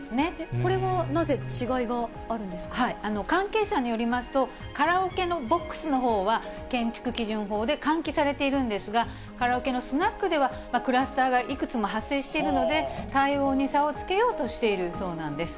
これはなぜ、違いがあるんで関係者によりますと、カラオケボックスのほうは、建築基準法で換気されているんですが、カラオケのスナックでは、クラスターがいくつも発生しているので、対応に差をつけようとしているそうなんです。